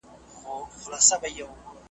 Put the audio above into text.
جنگ پر پوستين دئ -عبدالباري جهاني.